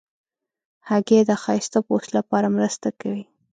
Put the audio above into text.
هګۍ د ښایسته پوست لپاره مرسته کوي.